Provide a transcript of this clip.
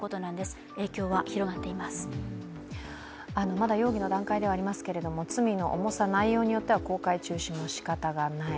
まだ容疑の段階ではありますけれども、罪の重さ、内容によっては公開中止もしかたがない。